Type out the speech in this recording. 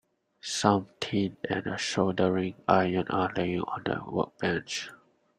Some tin and a soldering iron are laying on the workbench.